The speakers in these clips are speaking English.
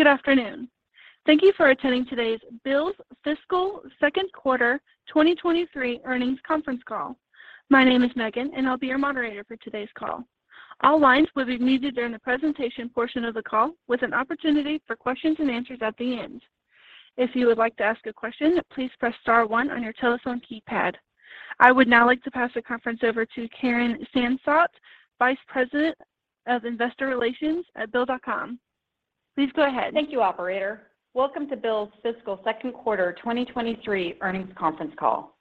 Good afternoon. Thank you for attending today's BILL's Fiscal Q2 2023 earnings conference call. My name is Megan, and I'll be your moderator for today's call. All lines will be muted during the presentation portion of the call with an opportunity for questions and answers at the end. If you would like to ask a question, please press star one on your telephone keypad. I would now like to pass the conference over to Karen Sansot, Vice President of Investor Relations at Bill.com. Please go ahead. Thank you, operator. Welcome to BILL's Fiscal Q2 2023 Earnings Conference Call.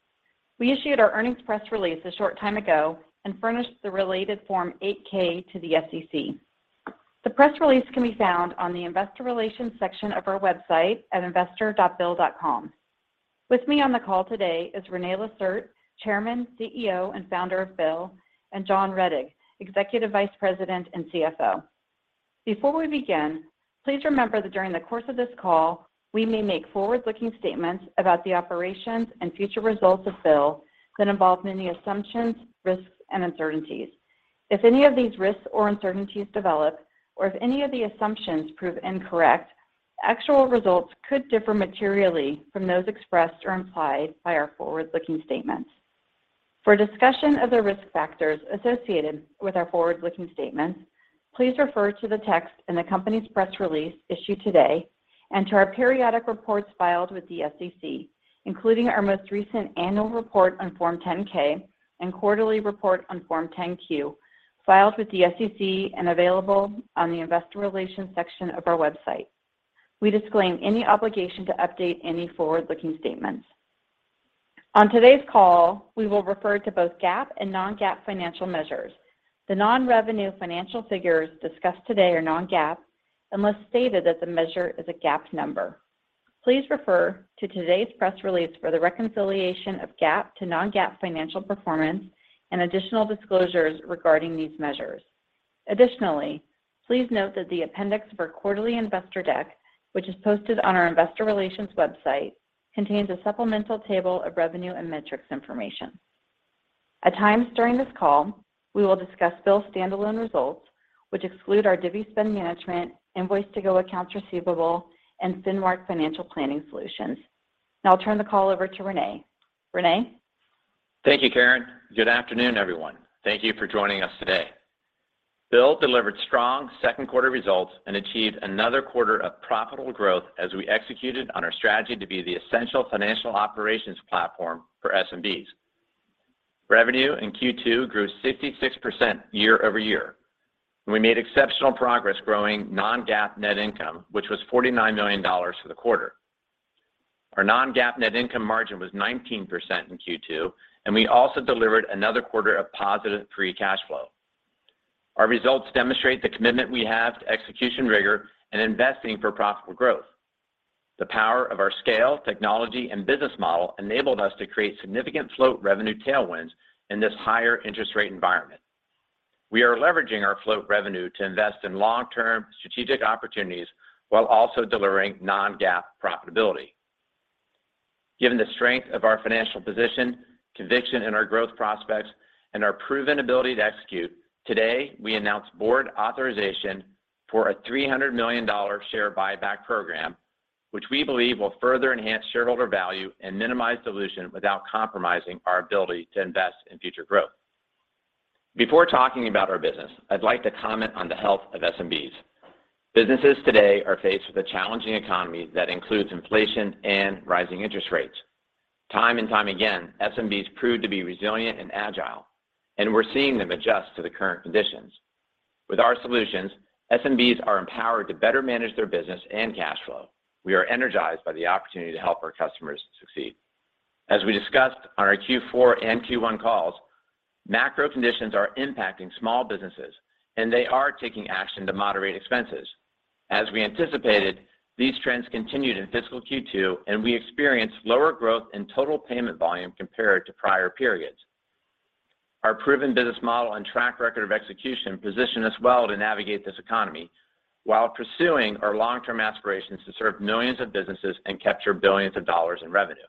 We issued our earnings press release a short time ago and furnished the related Form 8-K to the SEC. The press release can be found on the investor relations section of our website at investor.bill.com. With me on the call today is René Lacerte, Chairman, CEO, and Founder of BILL, and John Rettig, Executive Vice President and CFO. Before we begin, please remember that during the course of this call, we may make forward-looking statements about the operations and future results of BILL that involve many assumptions, risks, and uncertainties. If any of these risks or uncertainties develop, or if any of the assumptions prove incorrect, actual results could differ materially from those expressed or implied by our forward-looking statements. For a discussion of the risk factors associated with our forward-looking statements, please refer to the text in the company's press release issued today and to our periodic reports filed with the SEC, including our most recent annual report on Form 10-K and quarterly report on Form 10-Q, filed with the SEC and available on the investor relations section of our website. We disclaim any obligation to update any forward-looking statements. On today's call, we will refer to both GAAP and non-GAAP financial measures. The non-revenue financial figures discussed today are non-GAAP unless stated that the measure is a GAAP number. Please refer to today's press release for the reconciliation of GAAP to non-GAAP financial performance and additional disclosures regarding these measures. Additionally, please note that the appendix of our quarterly investor deck, which is posted on our investor relations website, contains a supplemental table of revenue and metrics information. At times during this call, we will discuss BILL's standalone results, which exclude our Divvy spend management, Invoice2go accounts receivable, and FinMARK financial planning solutions. Now I'll turn the call over to René. René? Thank you, Karen. Good afternoon, everyone. Thank you for joining us today. BILL delivered strong Q2 results and achieved another quarter of profitable growth as we executed on our strategy to be the essential financial operations platform for SMBs. Revenue in Q2 grew 66% year-over-year. We made exceptional progress growing non-GAAP net income, which was $49 million for the quarter. Our non-GAAP net income margin was 19% in Q2. We also delivered another quarter of positive free cash flow. Our results demonstrate the commitment we have to execution rigor and investing for profitable growth. The power of our scale, technology, and business model enabled us to create significant float revenue tailwinds in this higher interest rate environment. We are leveraging our float revenue to invest in long-term strategic opportunities while also delivering non-GAAP profitability. Given the strength of our financial position, conviction in our growth prospects, and our proven ability to execute, today, we announced board authorization for a $300 million share buyback program, which we believe will further enhance shareholder value and minimize dilution without compromising our ability to invest in future growth. Before talking about our business, I'd like to comment on the health of SMBs. Businesses today are faced with a challenging economy that includes inflation and rising interest rates. Time and time again, SMBs proved to be resilient and agile, and we're seeing them adjust to the current conditions. With our solutions, SMBs are empowered to better manage their business and cash flow. We are energized by the opportunity to help our customers succeed. As we discussed on our Q4 and Q1 calls, macro conditions are impacting small businesses, and they are taking action to moderate expenses. As we anticipated, these trends continued in fiscal Q2, and we experienced lower growth and total payment volume compared to prior periods. Our proven business model and track record of execution position us well to navigate this economy while pursuing our long-term aspirations to serve millions of businesses and capture billions of dollars in revenue.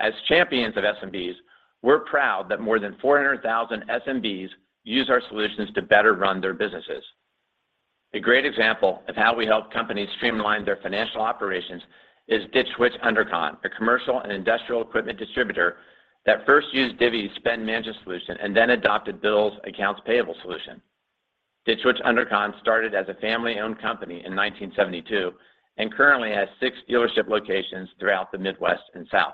As champions of SMBs, we're proud that more than 400,000 SMBs use our solutions to better run their businesses. A great example of how we help companies streamline their financial operations is Ditch Witch UnderCon, a commercial and industrial equipment distributor that first used Divvy's spend management solution and then adopted BILL's accounts payable solution. Ditch Witch UnderCon started as a family-owned company in 1972 and currently has six dealership locations throughout the Midwest and South.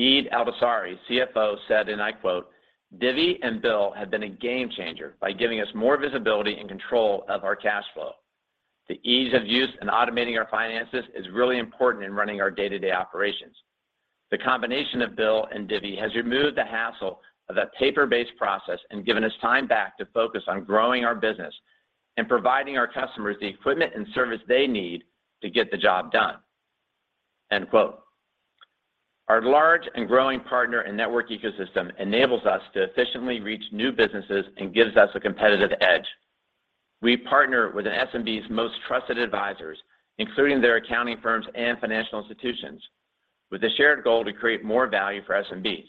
Eid Albassari, CFO, said, and I quote, "Divvy and BILL have been a game changer by giving us more visibility and control of our cash flow. The ease of use in automating our finances is really important in running our day-to-day operations. The combination of BILL and Divvy has removed the hassle of that paper-based process and given us time back to focus on growing our business and providing our customers the equipment and service they need to get the job done." End quote. Our large and growing partner and network ecosystem enables us to efficiently reach new businesses and gives us a competitive edge. We partner with an SMB's most trusted advisors, including their accounting firms and financial institutions, with the shared goal to create more value for SMBs.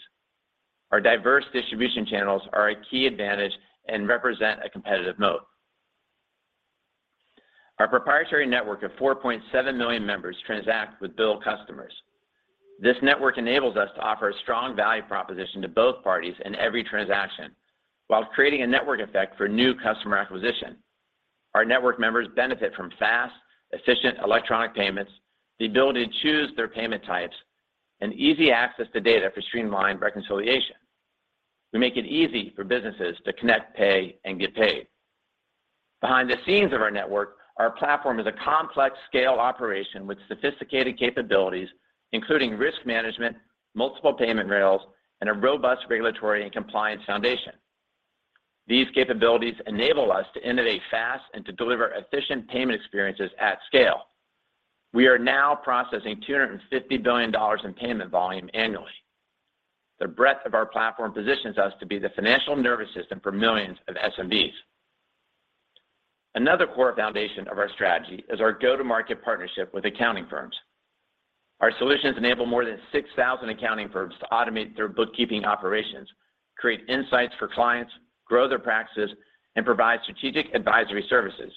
Our diverse distribution channels are a key advantage and represent a competitive mode. Our proprietary network of 4.7 million members transact with BILL customers. This network enables us to offer a strong value proposition to both parties in every transaction while creating a network effect for new customer acquisition. Our network members benefit from fast, efficient electronic payments, the ability to choose their payment types, and easy access to data for streamlined reconciliation. We make it easy for businesses to connect, pay, and get paid. Behind the scenes of our network, our platform is a complex scale operation with sophisticated capabilities, including risk management, multiple payment rails, and a robust regulatory and compliance foundation. These capabilities enable us to innovate fast and to deliver efficient payment experiences at scale. We are now processing $250 billion in payment volume annually. The breadth of our platform positions us to be the financial nervous system for millions of SMBs. Another core foundation of our strategy is our go-to-market partnership with accounting firms. Our solutions enable more than 6,000 accounting firms to automate their bookkeeping operations, create insights for clients, grow their practices, and provide strategic advisory services.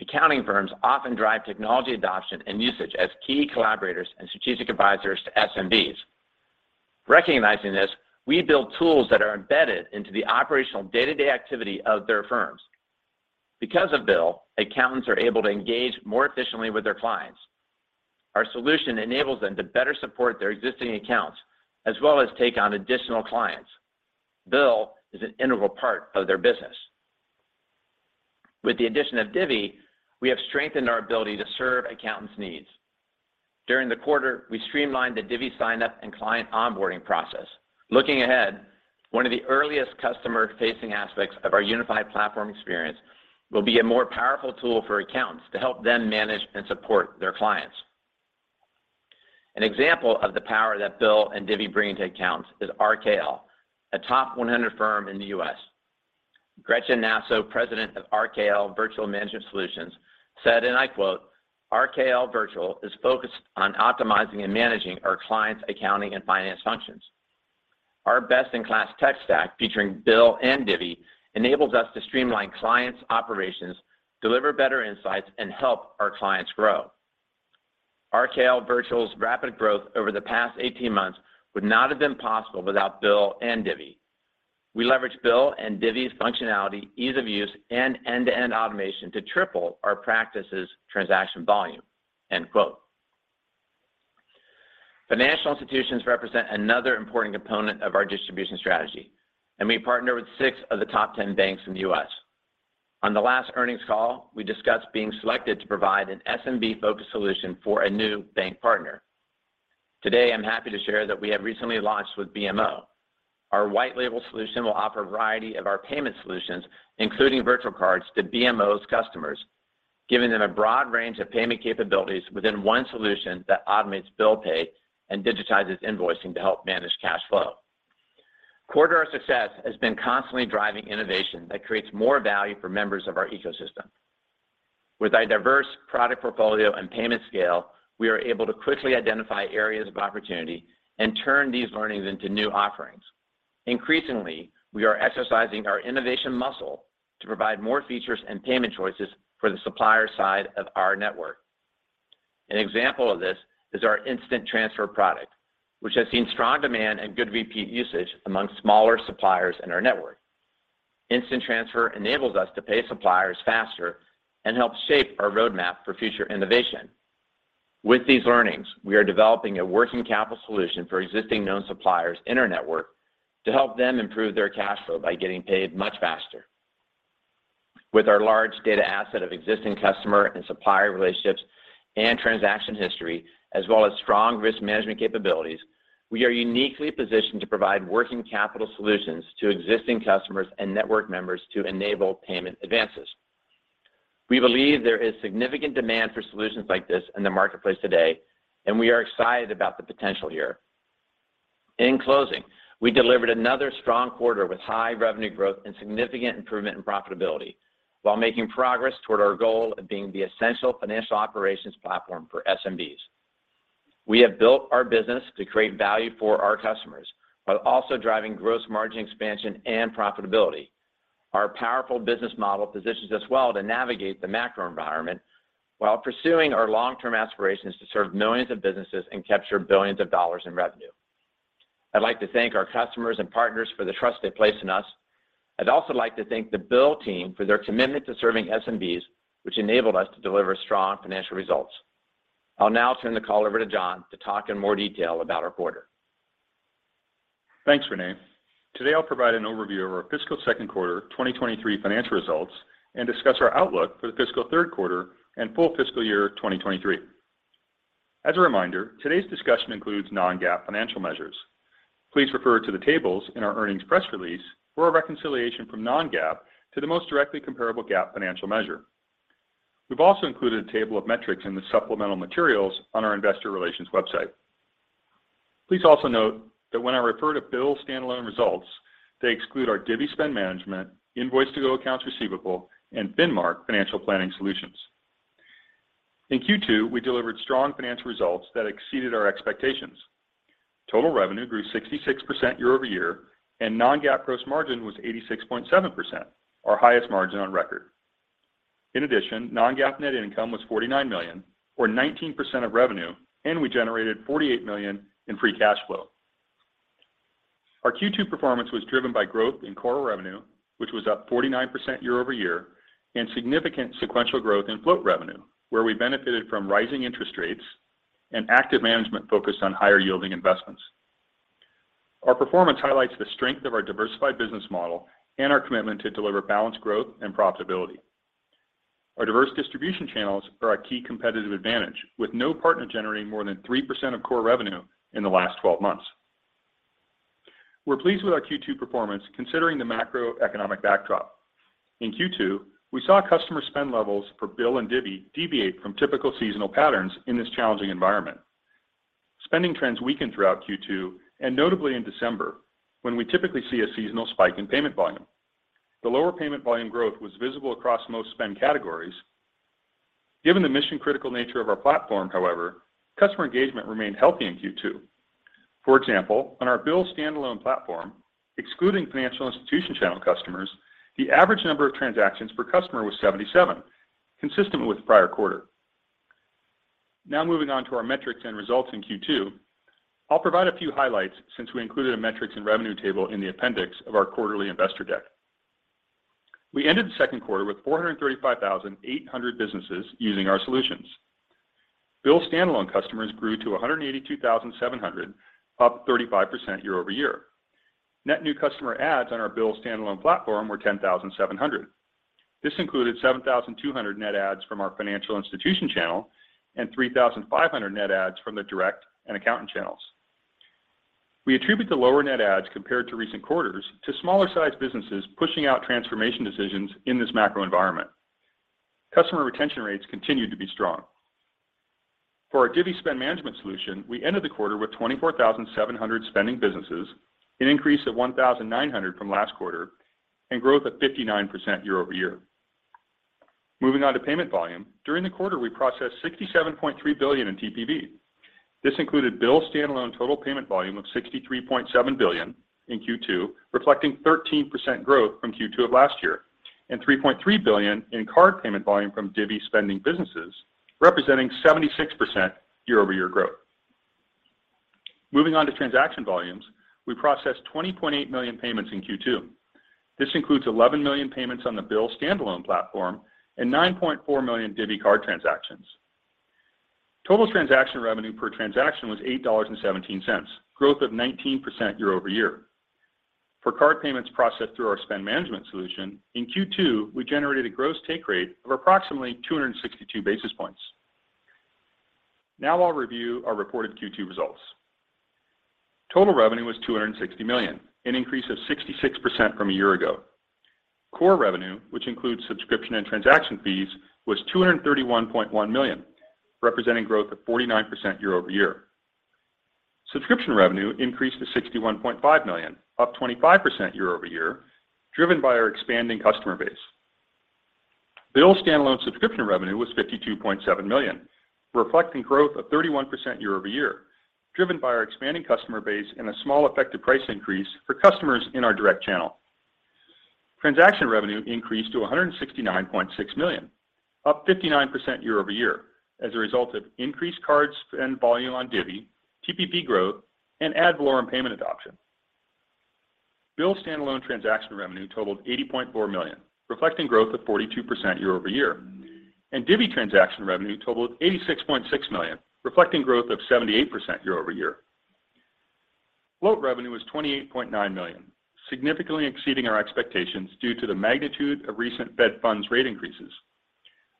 Accounting firms often drive technology adoption and usage as key collaborators and strategic advisors to SMBs. Recognizing this, we build tools that are embedded into the operational day-to-day activity of their firms. Because of BILL, accountants are able to engage more efficiently with their clients. Our solution enables them to better support their existing accounts, as well as take on additional clients. BILL is an integral part of their business. With the addition of Divvy, we have strengthened our ability to serve accountants' needs. During the quarter, we streamlined the Divvy sign-up and client onboarding process. Looking ahead, one of the earliest customer-facing aspects of our unified platform experience will be a more powerful tool for accountants to help them manage and support their clients. An example of the power that BILL and Divvy bring to accountants is RKL, a top 100 firm in the U.S. Gretchen Naso, President of RKL Virtual Management Solutions, said, and I quote, "RKL Virtual is focused on optimizing and managing our clients' accounting and finance functions. Our best-in-class tech stack, featuring BILL and Divvy, enables us to streamline clients' operations, deliver better insights, and help our clients grow. RKL Virtual's rapid growth over the past 18 months would not have been possible without BILL and Divvy. We leverage BILL and Divvy's functionality, ease of use, and end-to-end automation to triple our practice's transaction volume." End quote. Financial institutions represent another important component of our distribution strategy. We partner with six of the top 10 banks in the U.S. On the last earnings call, we discussed being selected to provide an SMB-focused solution for a new bank partner. Today, I'm happy to share that we have recently launched with BMO. Our white label solution will offer a variety of our payment solutions, including virtual cards, to BMO's customers, giving them a broad range of payment capabilities within one solution that automates bill pay and digitizes invoicing to help manage cash flow. Quarter success has been constantly driving innovation that creates more value for members of our ecosystem. With our diverse product portfolio and payment scale, we are able to quickly identify areas of opportunity and turn these learnings into new offerings. Increasingly, we are exercising our innovation muscle to provide more features and payment choices for the supplier side of our network. An example of this is our Instant Transfer product, which has seen strong demand and good repeat usage among smaller suppliers in our network. Instant Transfer enables us to pay suppliers faster and help shape our roadmap for future innovation. With these learnings, we are developing a working capital solution for existing known suppliers in our network to help them improve their cash flow by getting paid much faster. With our large data asset of existing customer and supplier relationships and transaction history, as well as strong risk management capabilities, we are uniquely positioned to provide working capital solutions to existing customers and network members to enable payment advances. We believe there is significant demand for solutions like this in the marketplace today, and we are excited about the potential here. In closing, we delivered another strong quarter with high revenue growth and significant improvement in profitability while making progress toward our goal of being the essential financial operations platform for SMBs. We have built our business to create value for our customers while also driving gross margin expansion and profitability. Our powerful business model positions us well to navigate the macro environment while pursuing our long-term aspirations to serve millions of businesses and capture billions of dollars in revenue. I'd like to thank our customers and partners for the trust they place in us. I'd also like to thank the BILL team for their commitment to serving SMBs, which enabled us to deliver strong financial results. I'll now turn the call over to John to talk in more detail about our quarter. Thanks, René. Today, I'll provide an overview of our fiscal Q2 2023 financial results and discuss our outlook for the fiscal Q3 and full fiscal year 2023. As a reminder, today's discussion includes non-GAAP financial measures. Please refer to the tables in our earnings press release for a reconciliation from non-GAAP to the most directly comparable GAAP financial measure. We've also included a table of metrics in the supplemental materials on our investor relations website. Please also note that when I refer to BILL standalone results, they exclude our Divvy Spend Management, Invoice2go accounts receivable, and Finmark financial planniNg solutions. In Q2, we delivered strong financial results that exceeded our expectations. Total revenue grew 66% year-over-year, and non-GAAP gross margin was 86.7%, our highest margin on record. non-GAAP net income was $49 million, or 19% of revenue, and we generated $48 million in free cash flow. Our Q2 performance was driven by growth in core revenue, which was up 49% year-over-year, and significant sequential growth in float revenue, where we benefited from rising interest rates and active management focused on higher-yielding investments. Our performance highlights the strength of our diversified business model and our commitment to deliver balanced growth and profitability. Our diverse distribution channels are our key competitive advantage, with no partner generating more than 3% of core revenue in the last 12 months. We're pleased with our Q2 performance, considering the macroeconomic backdrop. In Q2, we saw customer spend levels for BILL and Divvy deviate from typical seasonal patterns in this challenging environment. Spending trends weakened throughout Q2, and notably in December, when we typically see a seasonal spike in payment volume. The lower payment volume growth was visible across most spend categories. Given the mission-critical nature of our platform, however, customer engagement remained healthy in Q2. For example, on our BILL standalone platform, excluding financial institution channel customers, the average number of transactions per customer was 77, consistent with prior quarter. Now moving on to our metrics and results in Q2. I'll provide a few highlights since we included a metrics and revenue table in the appendix of our quarterly investor deck. We ended the Q2 with 435,800 businesses using our solutions. BILL standalone customers grew to 182,700, up 35% year-over-year. Net new customer adds on our BILL standalone platform were 10,700. This included 7,200 net adds from our financial institution channel and 3,500 net adds from the direct and accountant channels. We attribute the lower net adds compared to recent quarters to smaller-sized businesses pushing out transformation decisions in this macro environment. Customer retention rates continued to be strong. For our Divvy Spend Management solution, we ended the quarter with 24,700 spending businesses, an increase of 1,900 from last quarter, and growth of 59% year-over-year. Moving on to payment volume. During the quarter, we processed $67.3 billion in TPV. This included BILL's standalone total payment volume of $63.7 billion in Q2, reflecting 13% growth from Q2 of last year, and $3.3 billion in card payment volume from Divvy spending businesses, representing 76% year-over-year growth. Moving on to transaction volumes, we processed 20.8 million payments in Q2. This includes 11 million payments on the BILL standalone platform and 9.4 million Divvy card transactions. Total transaction revenue per transaction was $8.17, growth of 19% year-over-year. For card payments processed through our Spend Management solution, in Q2, we generated a gross take rate of approximately 262 basis points. I'll review our reported Q2 results. Total revenue was $260 million, an increase of 66% from a year ago. Core revenue, which includes subscription and transaction fees, was $231.1 million, representing growth of 49% year-over-year. Subscription revenue increased to $61.5 million, up 25% year-over-year, driven by our expanding customer base. BILL standalone subscription revenue was $52.7 million, reflecting growth of 31% year-over-year, driven by our expanding customer base and a small effective price increase for customers in our direct channel. Transaction revenue increased to $169.6 million, up 59% year-over-year, as a result of increased card spend volume on Divvy, TPV growth, and ad valorem payment adoption. BILL standalone transaction revenue totaled $80.4 million, reflecting growth of 42% year-over-year. Divvy transaction revenue totaled $86.6 million, reflecting growth of 78% year-over-year. Float revenue was $28.9 million, significantly exceeding our expectations due to the magnitude of recent federal funds rate increases.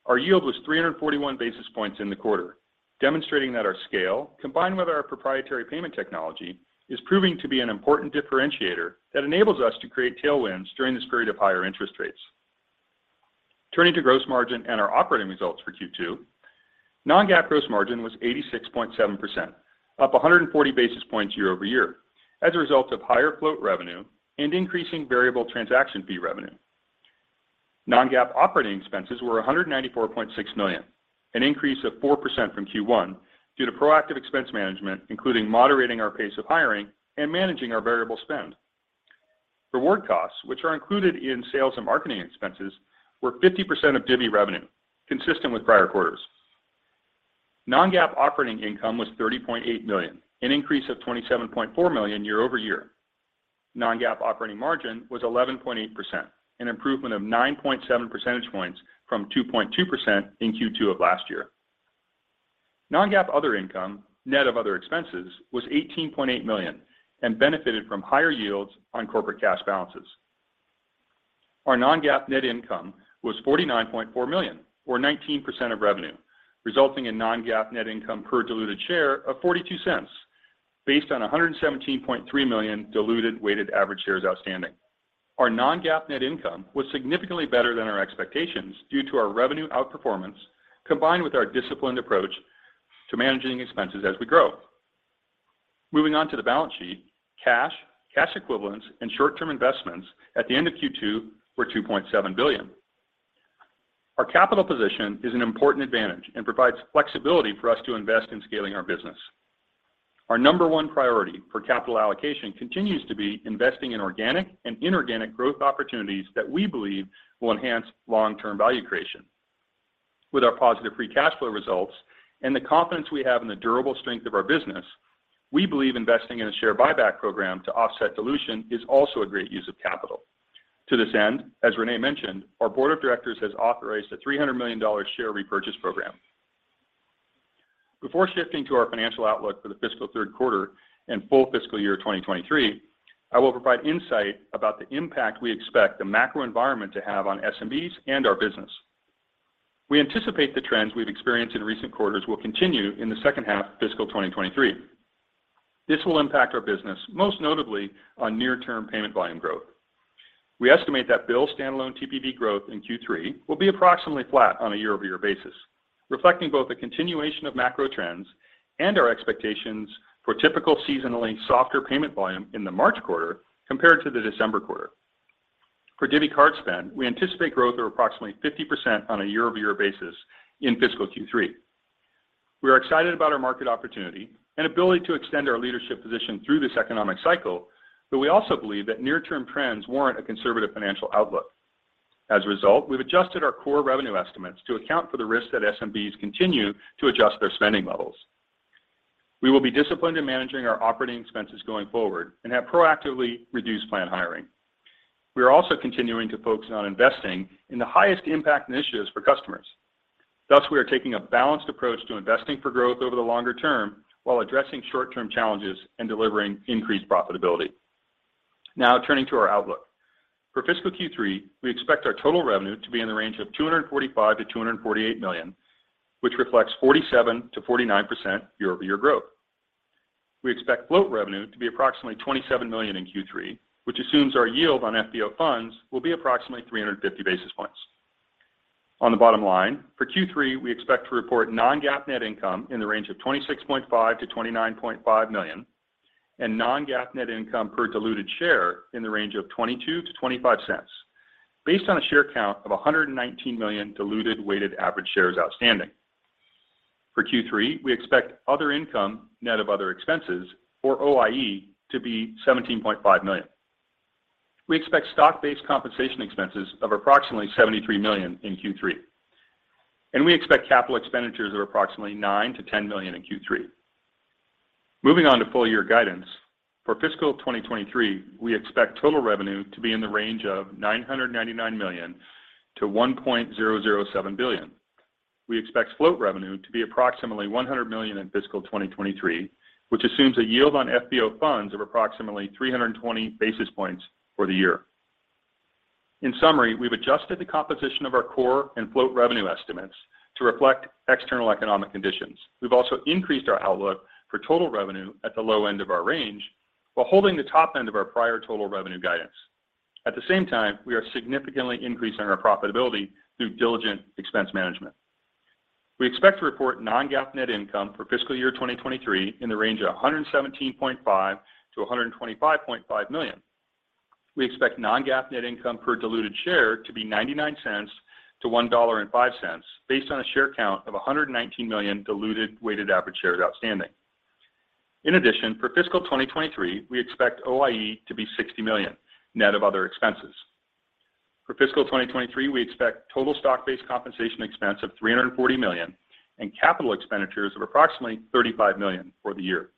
Our yield was 341 basis points in the quarter, demonstrating that our scale, combined with our proprietary payment technology, is proving to be an important differentiator that enables us to create tailwinds during this period of higher interest rates. Turning to gross margin and our operating results for Q2. Non-GAAP gross margin was 86.7%, up 140 basis points year-over-year, as a result of higher float revenue and increasing variable transaction fee revenue. Non-GAAP operating expenses were $194.6 million, an increase of 4% from Q1 due to proactive expense management, including moderating our pace of hiring and managing our variable spend. Reward costs, which are included in sales and marketing expenses, were 50% of Divvy revenue, consistent with prior quarters. Non-GAAP operating income was $30.8 million, an increase of $27.4 million year-over-year. Non-GAAP operating margin was 11.8%, an improvement of 9.7 percentage points from 2.2% in Q2 of last year. Non-GAAP other income, net of other expenses, was $18.8 million and benefited from higher yields on corporate cash balances. Our non-GAAP net income was $49.4 million or 19% of revenue, resulting in non-GAAP net income per diluted share of $0.42 based on 117.3 million diluted weighted average shares outstanding. Our non-GAAP net income was significantly better than our expectations due to our revenue outperformance combined with our disciplined approach to managing expenses as we grow. Moving on to the balance sheet, cash equivalents, and short-term investments at the end of Q2 were $2.7 billion. Our capital position is an important advantage and provides flexibility for us to invest in scaling our business. Our number one priority for capital allocation continues to be investing in organic and inorganic growth opportunities that we believe will enhance long-term value creation. With our positive free cash flow results and the confidence we have in the durable strength of our business, we believe investing in a share buyback program to offset dilution is also a great use of capital. To this end, as Rene mentioned, our board of directors has authorized a $300 million share repurchase program. Before shifting to our financial outlook for the fiscal Q3 and full fiscal year 2023, I will provide insight about the impact we expect the macro environment to have on SMBs and our business. We anticipate the trends we've experienced in recent quarters will continue in the second half of fiscal 2023. This will impact our business most notably on near-term payment volume growth. We estimate that BILL standalone TPV growth in Q3 will be approximately flat on a year-over-year basis, reflecting both the continuation of macro trends and our expectations for typical seasonally softer payment volume in the March quarter compared to the December quarter. For Divvy card spend, we anticipate growth of approximately 50% on a year-over-year basis in fiscal Q3. We are excited about our market opportunity and ability to extend our leadership position through this economic cycle, but we also believe that near-term trends warrant a conservative financial outlook. As a result, we've adjusted our core revenue estimates to account for the risk that SMBs continue to adjust their spending levels. We will be disciplined in managing our operating expenses going forward and have proactively reduced planned hiring. We are also continuing to focus on investing in the highest impact initiatives for customers. We are taking a balanced approach to investing for growth over the longer term while addressing short-term challenges and delivering increased profitability. Turning to our outlook. For fiscal Q3, we expect our total revenue to be in the range of $245 million-$248 million, which reflects 47%-49% year-over-year growth. We expect float revenue to be approximately $27 million in Q3, which assumes our yield on FBO funds will be approximately 350 basis points. On the bottom line, for Q3, we expect to report non-GAAP net income in the range of $26.5 million-$29.5 million and non-GAAP net income per diluted share in the range of $0.22-$0.25 based on a share count of 119 million diluted weighted average shares outstanding. For Q3, we expect other income net of other expenses, or OIE, to be $17.5 million. We expect Stock-Based Compensation expenses of approximately $73 million in Q3, and we expect capital expenditures of approximately $9 million-$10 million in Q3. Moving on to full year guidance. For fiscal 2023, we expect total revenue to be in the range of $999 million-$1.007 billion. We expect float revenue to be approximately $100 million in fiscal 2023, which assumes a yield on FBO funds of approximately 320 basis points for the year. In summary, we've adjusted the composition of our core and float revenue estimates to reflect external economic conditions. We've also increased our outlook for total revenue at the low end of our range while holding the top end of our prior total revenue guidance. At the same time, we are significantly increasing our profitability through diligent expense management. We expect to report non-GAAP net income for fiscal year 2023 in the range of $117.5 million-$125.5 million. We expect non-GAAP net income per diluted share to be $0.99-$1.05 based on a share count of 119 million diluted weighted average shares outstanding. For fiscal 2023, we expect OIE to be $60 million net of other expenses. For fiscal 2023, we expect total Stock-Based Compensation expense of $340 million and CapEx of approximately $35 million for the year.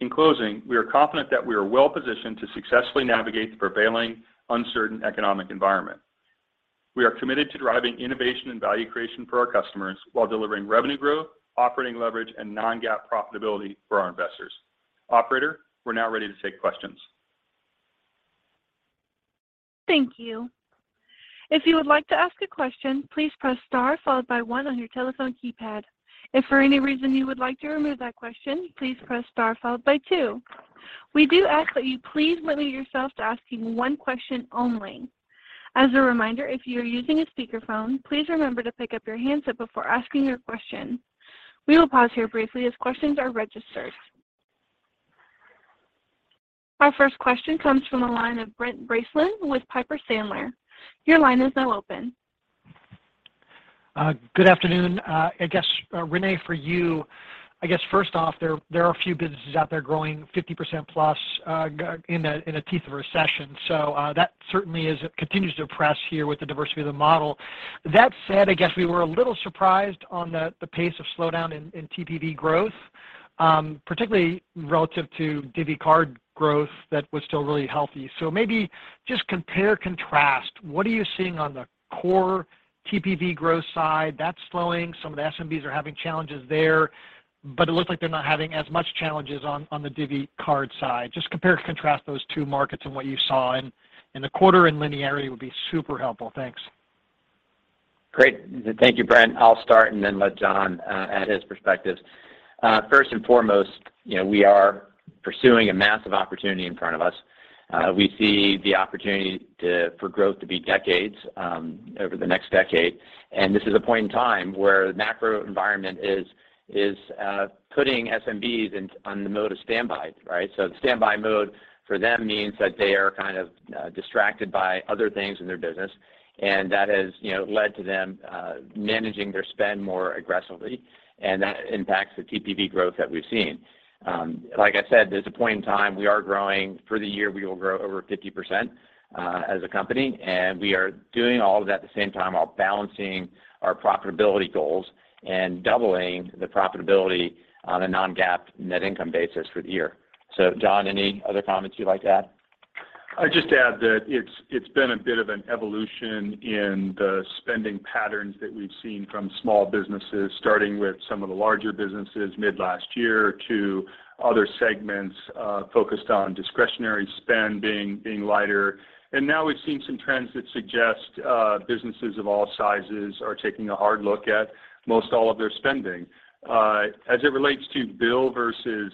In closing, we are confident that we are well-positioned to successfully navigate the prevailing uncertain economic environment. We are committed to driving innovation and value creation for our customers while delivering revenue growth, operating leverage, and non-GAAP profitability for our investors. Operator, we're now ready to take questions. Thank you. If you would like to ask a question, please press star followed by one on your telephone keypad. If for any reason you would like to remove that question, please press star followed by two. We do ask that you please limit yourself to asking one question only. As a reminder, if you are using a speakerphone, please remember to pick up your handset before asking your question. We will pause here briefly as questions are registered. Our first question comes from the line of Brent Bracelin with Piper Sandler. Your line is now open. Good afternoon. I guess, René, for you, I guess first off, there are a few businesses out there growing 50%+ in a, in a teeth of a recession. That certainly is continues to impress here with the diversity of the model. That said, I guess we were a little surprised on the pace of slowdown in TPV growth, particularly relative to Divvy card growth that was still really healthy. Maybe just compare and contrast, what are you seeing on the core TPV growth side that's slowing? Some of the SMBs are having challenges there, but it looks like they're not having as much challenges on the Divvy card side. Just compare and contrast those two markets and what you saw in the quarter and linearity would be super helpful. Thanks. Great. Thank you, Brent. I'll start and then let John add his perspectives. First and foremost, you know, we are pursuing a massive opportunity in front of us. We see the opportunity for growth to be decades over the next decade, this is a point in time where the macro environment is putting SMBs on the mode of standby, right? The standby mode for them means that they are kind of distracted by other things in their business, that has, you know, led to them managing their spend more aggressively, that impacts the TPV growth that we've seen. Like I said, there's a point in time we are growing. For the year, we will grow over 50%, as a company, and we are doing all of that at the same time while balancing our profitability goals and doubling the profitability on a non-GAAP net income basis for the year. John, any other comments you'd like to add? I'd just add that it's been a bit of an evolution in the spending patterns that we've seen from small businesses, starting with some of the larger businesses mid last year to other segments focused on discretionary spend being lighter. Now we've seen some trends that suggest businesses of all sizes are taking a hard look at most all of their spending. As it relates to BILL versus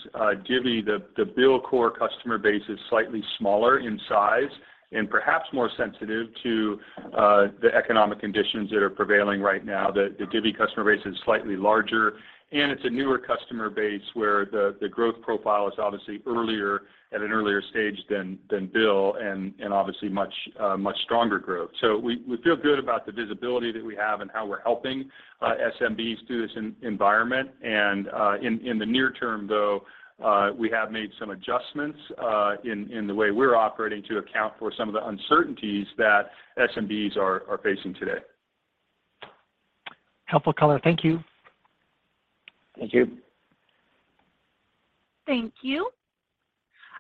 Divvy, the BILL core customer base is slightly smaller in size and perhaps more sensitive to the economic conditions that are prevailing right now. The Divvy customer base is slightly larger, and it's a newer customer base where the growth profile is obviously at an earlier stage than BILL and obviously much stronger growth. We feel good about the visibility that we have and how we're helping SMBs through this environment. In the near term though, we have made some adjustments, in the way we're operating to account for some of the uncertainties that SMBs are facing today. Helpful color. Thank you. Thank you. Thank you.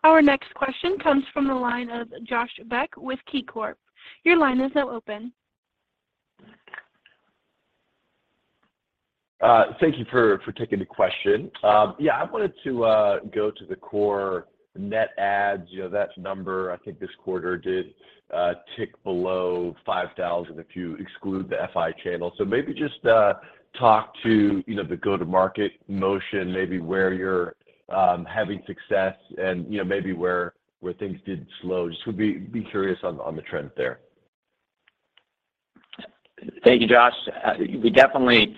Our next question comes from the line of Josh Beck with KeyCorp. Your line is now open. Thank you for taking the question. Yeah, I wanted to go to the core net adds. You know, that number I think this quarter did tick below 5,000 if you exclude the FI channel. Maybe just talk to, you know, the go-to-market motion, maybe where you're having success and, you know, maybe where things did slow. Just would be curious on the trend there. Thank you, Josh. We definitely,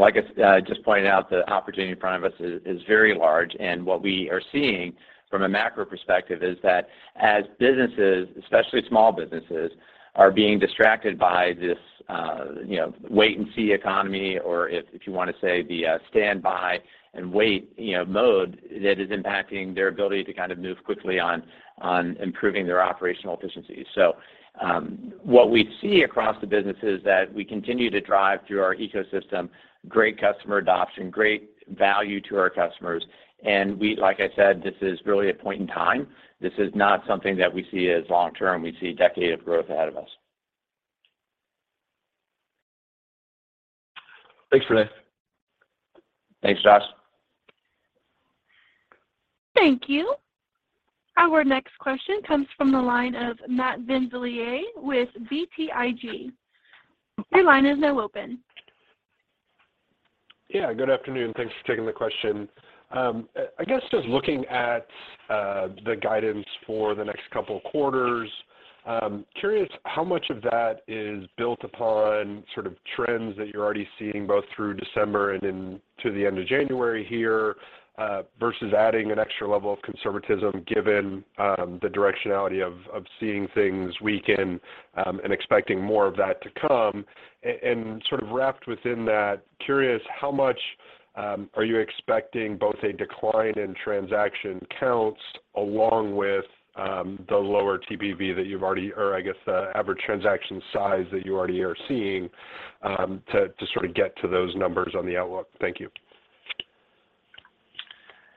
like I just pointed out, the opportunity in front of us is very large. What we are seeing from a macro perspective is that as businesses, especially small businesses, are being distracted by this, you know, wait and see economy or if you wanna say the standby and wait, you know, mode that is impacting their ability to kind of move quickly on improving their operational efficiency. What we see across the business is that we continue to drive through our ecosystem, great customer adoption, great value to our customers. Like I said, this is really a point in time. This is not something that we see as long term. We see a decade of growth ahead of us. Thanks, René. Thanks, Josh. Thank you. Our next question comes from the line of Matt Pfau with BTIG. Your line is now open. Good afternoon. Thanks for taking the question. I guess just looking at the guidance for the next couple quarters, curious how much of that is built upon sort of trends that you're already seeing both through December and then to the end of January here, versus adding an extra level of conservatism given the directionality of seeing things weaken and expecting more of that to come. Sort of wrapped within that, curious how much are you expecting both a decline in transaction counts along with the lower TPV that you've already average transaction size that you already are seeing to sort of get to those numbers on the outlook. Thank you.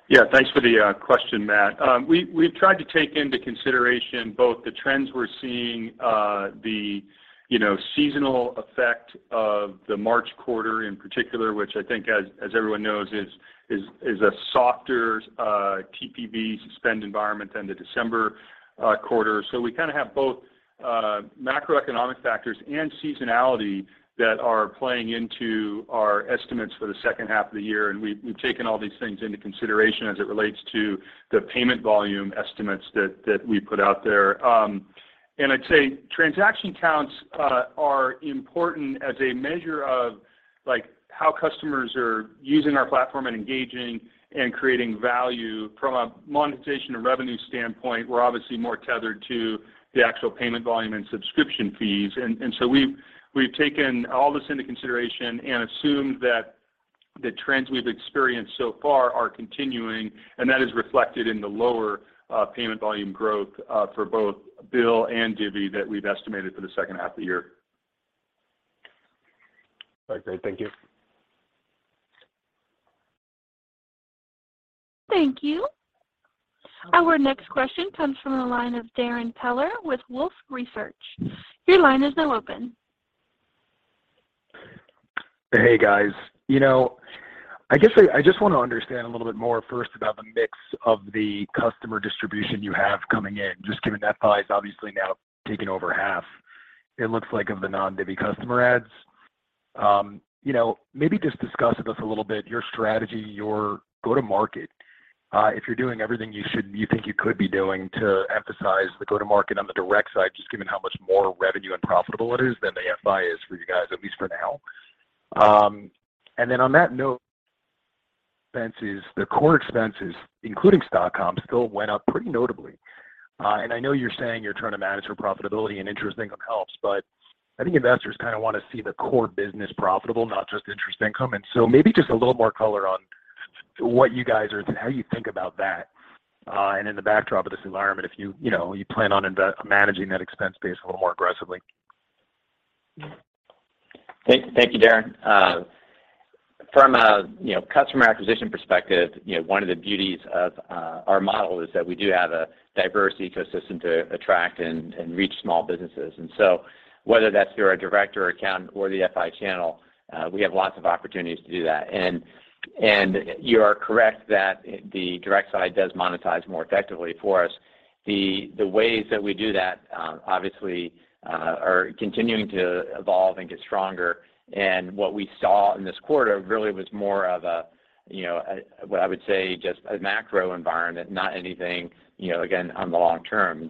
Yeah. Thanks for the question, Matt. We've tried to take into consideration both the trends we're seeing, you know, the seasonal effect of the March quarter in particular, which I think as everyone knows, is a softer TPV spend environment than the December quarter. We kinda have both macroeconomic factors and seasonality that are playing into our estimates for the second half of the year, and we've taken all these things into consideration as it relates to the payment volume estimates that we put out there. I'd say transaction counts are important as a measure of like how customers are using our platform and engaging and creating value. From a monetization and revenue standpoint, we're obviously more tethered to the actual payment volume and subscription fees. We've taken all this into consideration and assumed that the trends we've experienced so far are continuing, and that is reflected in the lower payment volume growth for both BILL and Divvy that we've estimated for the second half of the year. All right. Great. Thank you. Thank you. Our next question comes from the line of Darrin Peller with Wolfe Research. Your line is now open. Hey, guys. You know, I guess I just wanna understand a little bit more first about the mix of the customer distribution you have coming in, just given that BILL is obviously now taken over half, it looks like of the non-Divvy customer adds. You know, maybe just discuss with us a little bit your strategy, your go-to-market, if you're doing everything you think you could be doing to emphasize the go-to-market on the direct side, just given how much more revenue and profitable it is than the FI is for you guys, at least for now. On that note, expenses, the core expenses, including Stock count, still went up pretty notably. I know you're saying you're trying to manage your profitability and interest income helps, but I think investors kind of want to see the core business profitable, not just interest income. Maybe just a little more color on how you think about that, and in the backdrop of this environment, if you know, you plan on managing that expense base a little more aggressively. Thank you, Darrin. From a, you know, customer acquisition perspective, you know, one of the beauties of our model is that we do have a diverse ecosystem to attract and reach small businesses. Whether that's through our direct or accountant or the FI channel, we have lots of opportunities to do that. You are correct that the direct side does monetize more effectively for us. The ways that we do that, obviously, are continuing to evolve and get stronger. What we saw in this quarter really was more of a, you know, what I would say just a macro environment, not anything, you know, again, on the long term.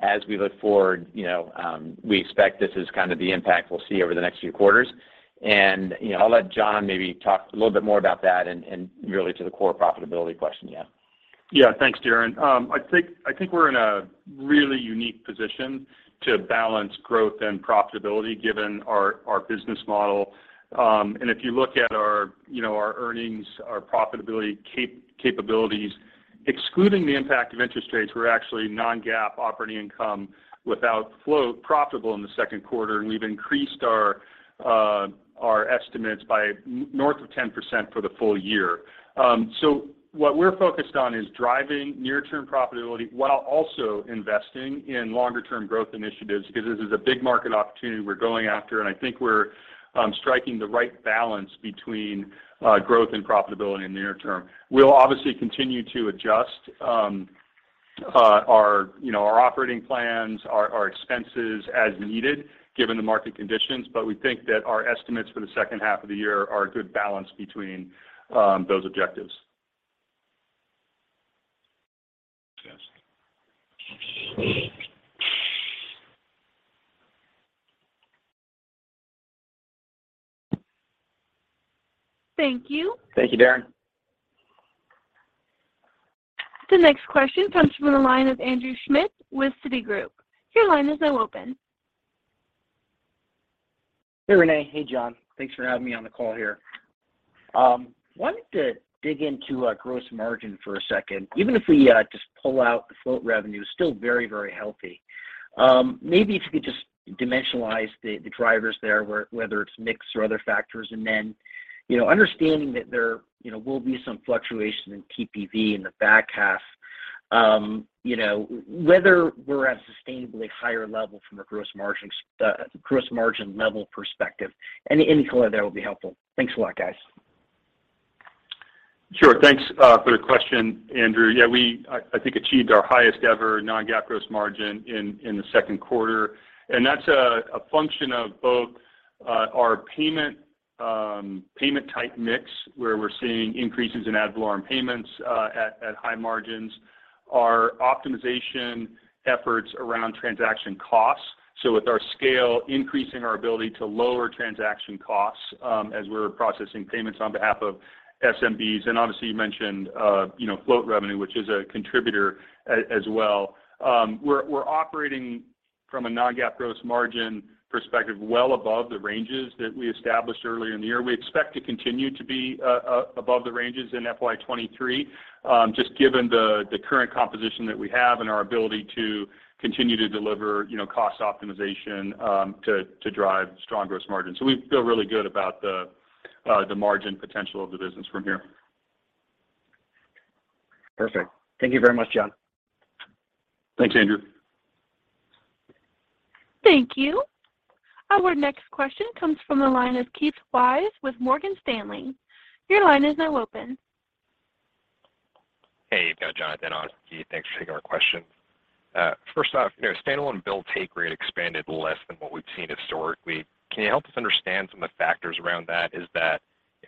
As we look forward, you know, we expect this is kind of the impact we'll see over the next few quarters. you know, I'll let John maybe talk a little bit more about that and really to the core profitability question. Yeah. Thanks, Darrin. I think we're in a really unique position to balance growth and profitability given our business model. If you look at our, you know, our earnings, our profitability capabilities, excluding the impact of interest rates, we're actually non-GAAP operating income without float profitable in the Q2, and we've increased our estimates by north of 10% for the full year. What we're focused on is driving near-term profitability while also investing in longer term growth initiatives because this is a big market opportunity we're going after. I think we're striking the right balance between growth and profitability in the near term. We'll obviously continue to adjust, you know, our operating plans, our expenses as needed given the market conditions, but we think that our estimates for the H2 of the year are a good balance between those objectives. Thanks. Thank you. Thank you, Darrin. The next question comes from the line of Andrew Schmidt with Citigroup. Your line is now open. Hey, René. Hey, John. Thanks for having me on the call here. Wanted to dig into gross margin for a second. Even if we just pull out the float revenue, still very, very healthy. Maybe if you could just dimensionalize the drivers there, whether it's mix or other factors. Then, you know, understanding that there, you know, will be some fluctuation in PPV in the back half, you know, whether we're at a sustainably higher level from a gross margin level perspective. Any color there will be helpful. Thanks a lot, guys. Sure. Thanks for the question, Andrew. Yeah, we I think achieved our highest ever non-GAAP gross margin in the Q2. That's a function of both our payment type mix, where we're seeing increases in ad valorem payments at high margins. Our optimization efforts around transaction costs, so with our scale, increasing our ability to lower transaction costs, as we're processing payments on behalf of SMBs. Obviously you mentioned, you know, float revenue, which is a contributor as well. We're operating from a non-GAAP gross margin perspective well above the ranges that we established earlier in the year. We expect to continue to be above the ranges in FY23, just given the current composition that we have and our ability to continue to deliver, you know, cost optimization to drive strong gross margins. We feel really good about the margin potential of the business from here. Perfect. Thank you very much, John. Thanks, Andrew. Thank you. Our next question comes from the line of Keith Weiss with Morgan Stanley. Your line is now open. Hey, you've got Jonathan on for Keith. Thanks for taking our question. First off, you know, standalone BILL take rate expanded less than what we've seen historically. Can you help us understand some of the factors around that? Is that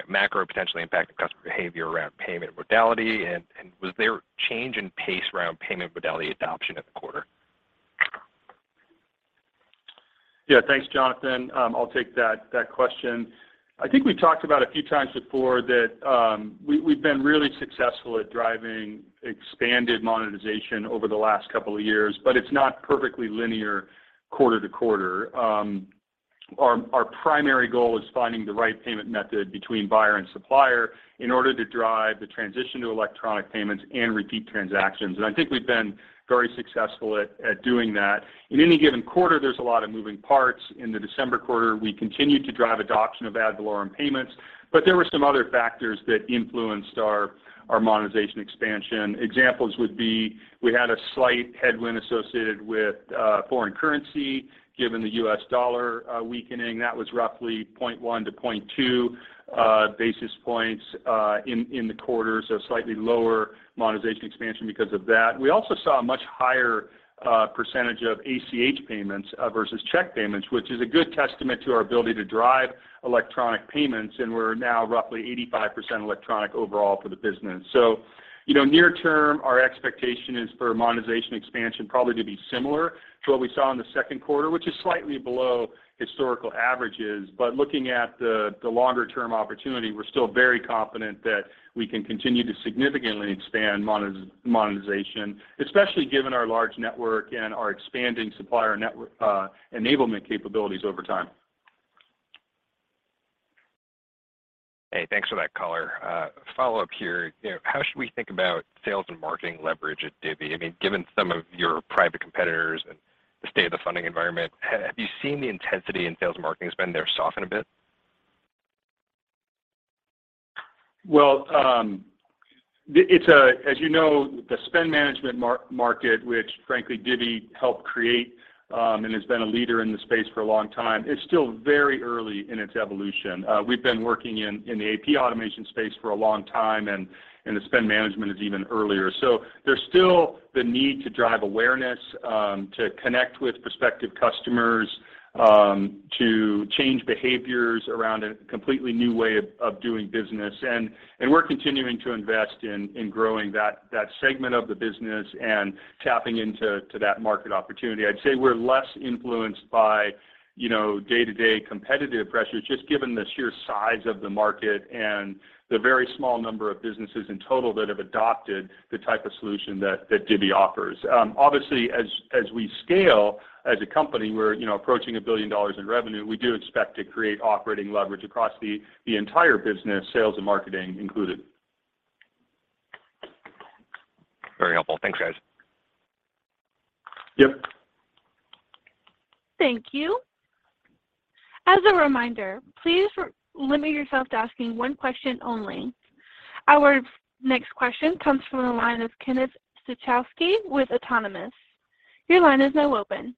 macro potentially impacting customer behavior around payment modality? Was there a change in pace around payment modality adoption at the quarter? Yeah. Thanks, Jonathan. I'll take that question. I think we talked about a few times before that, we've been really successful at driving expanded monetization over the last couple of years, but it's not perfectly linear quarter to quarter. Our primary goal is finding the right payment method between buyer and supplier in order to drive the transition to electronic payments and repeat transactions. I think we've been very successful at doing that. In any given quarter, there's a lot of moving parts. In the December quarter, we continued to drive adoption of ad valorem payments, but there were some other factors that influenced our monetization expansion. Examples would be we had a slight headwind associated with foreign currency, given the US dollar weakening. That was roughly 0.1-0.2 basis points in the quarter, so slightly lower monetization expansion because of that. We also saw a much higher percentage of ACH payments versus check payments, which is a good testament to our ability to drive electronic payments, and we're now roughly 85% electronic overall for the business. You know, near term, our expectation is for monetization expansion probably to be similar to what we saw in the Q2, which is slightly below historical averages. Looking at the longer term opportunity, we're still very confident that we can continue to significantly expand monetization, especially given our large network and our expanding supplier network enablement capabilities over time. Hey, thanks for that color. follow-up here. You know, how should we think about sales and marketing leverage at Divvy? I mean, given some of your private competitors and the state of the funding environment, have you seen the intensity in sales and marketing spend there soften a bit? Well, as you know, the spend management market, which frankly Divvy helped create, and has been a leader in this space for a long time, is still very early in its evolution. We've been working in the AP automation space for a long time and the spend management is even earlier. There's still the need to drive awareness, to connect with prospective customers, to change behaviors around a completely new way of doing business. We're continuing to invest in growing that segment of the business and tapping into that market opportunity. I'd say we're less influenced by, you know, day-to-day competitive pressures, just given the sheer size of the market and the very small number of businesses in total that have adopted the type of solution that Divvy offers. Obviously, as we scale as a company, we're, you know, approaching $1 billion in revenue, we do expect to create operating leverage across the entire business, sales and marketing included. Very helpful. Thanks, guys. Yep. Thank you. As a reminder, please limit yourself to asking one question only. Our next question comes from the line of Kenneth Suchowski with Autonomous. Your line is now open.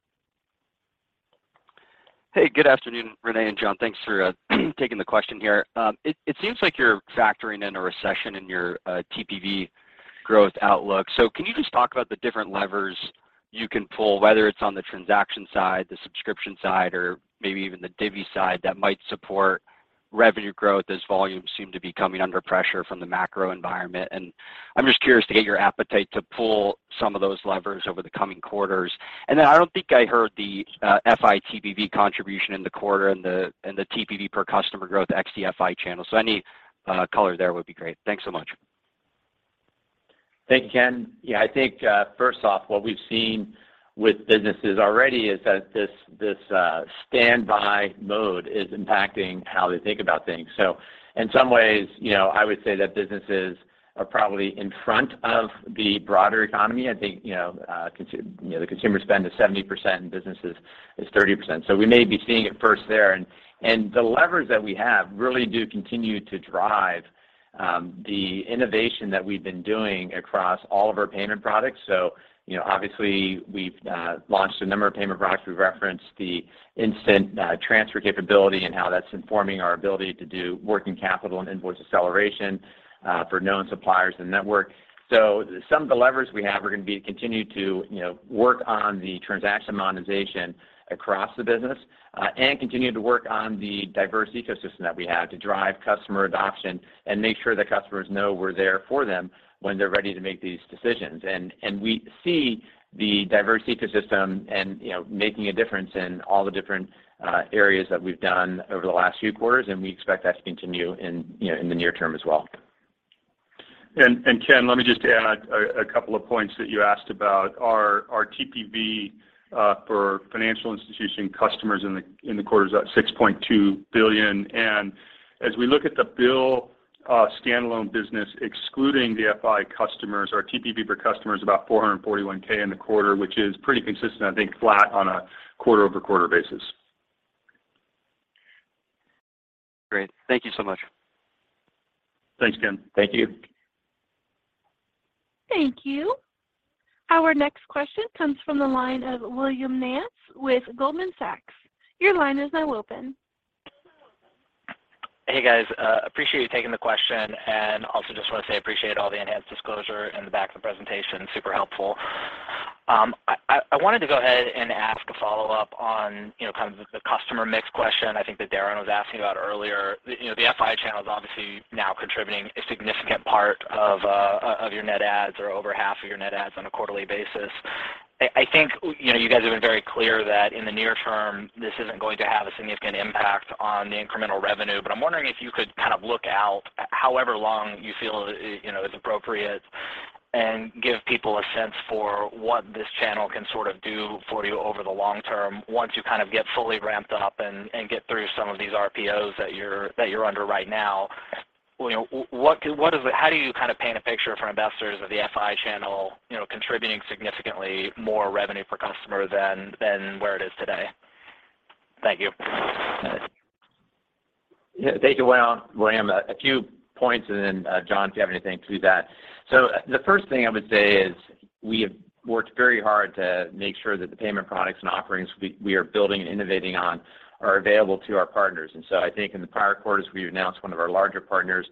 Hey, good afternoon, René and John. Thanks for taking the question here. It seems like you're factoring in a recession in your TPV growth outlook. Can you just talk about the different levers you can pull, whether it's on the transaction side, the subscription side, or maybe even the Divvy side that might support revenue growth as volumes seem to be coming under pressure from the macro environment. I'm just curious to get your appetite to pull some of those levers over the coming quarters. I don't think I heard the FI TPV contribution in the quarter and the TPV per customer growth ex the FI channel. Any color there would be great. Thanks so much. Thank you, Ken. I think, first off, what we've seen with businesses already is that this standby mode is impacting how they think about things. In some ways, you know, I would say that businesses are probably in front of the broader economy. I think, you know, the consumer spend is 70% and businesses is 30%, so we may be seeing it first there. The levers that we have really do continue to drive the innovation that we've been doing across all of our payment products. Obviously, we've launched a number of payment products. We've referenced the Instant Transfer capability and how that's informing our ability to do working capital and invoice acceleration for known suppliers in the network. Some of the levers we have are gonna be to continue to, you know, work on the transaction monetization across the business, and continue to work on the diverse ecosystem that we have to drive customer adoption and make sure that customers know we're there for them when they're ready to make these decisions. We see the diverse ecosystem and, you know, making a difference in all the different areas that we've done over the last few quarters, and we expect that to continue in, you know, in the near term as well. Ken, let me just add a couple of points that you asked about. Our TPV for financial institution customers in the quarter is at $6.2 billion. As we look at the BILL standalone business, excluding the FI customers, our TPV per customer is about $441K in the quarter, which is pretty consistent, I think flat on a quarter-over-quarter basis. Great. Thank you so much. Thanks, Ken. Thank you. Thank you. Our next question comes from the line of Will Nance with Goldman Sachs. Your line is now open. Hey, guys. Appreciate you taking the question, and also just wanna say appreciate all the enhanced disclosure in the back of the presentation. Super helpful. I wanted to go ahead and ask a follow-up on, you know, kind of the customer mix question I think that Darrin was asking about earlier. The, you know, the FI channel is obviously now contributing a significant part of your net adds or over 0.5 of your net adds on a quarterly basis. I think, you know, you guys have been very clear that in the near term, this isn't going to have a significant impact on the incremental revenue. I'm wondering if you could kind of look out however long you feel, you know, is appropriate and give people a sense for what this channel can sort of do for you over the long term once you kind of get fully ramped up and get through some of these RPOs that you're under right now. Well, you know, how do you kind of paint a picture for investors of the FI channel, you know, contributing significantly more revenue per customer than where it is today? Thank you. Yeah, thank you William. A few points. John, if you have anything to that. The first thing I would say is we have worked very hard to make sure that the payment products and offerings we are building and innovating on are available to our partners. I think in the prior quarters, we've announced one of our larger partners